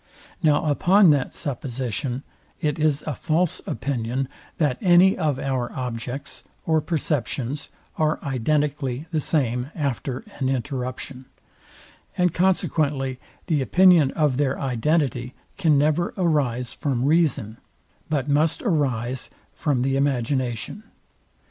Now upon that supposition, it is a false opinion that any of our objects, or perceptions, are identically the same after an interruption; and consequently the opinion of their identity can never arise from reason, but must arise from the imagination.